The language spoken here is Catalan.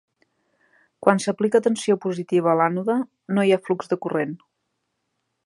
Quan s'aplica tensió positiva a l'ànode, no hi ha flux de corrent.